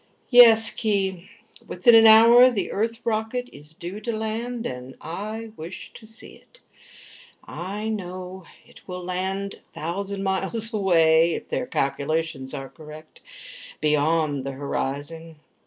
"Yes, Khee. Within an hour the Earth rocket is due to land, and I wish to see it. Yes, I know, it will land a thousand miles away, if their calculations are correct. Beyond the horizon.